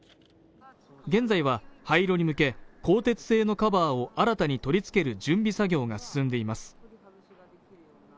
現在は廃炉に向け鋼鉄製のカバーを新たに取り付ける準備作業が進んでいます